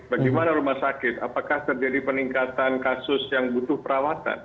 bagaimana rumah sakit apakah terjadi peningkatan kasus yang butuh perawatan